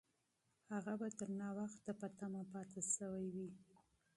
هغه به تر ناوخته انتظار ایستلی وي.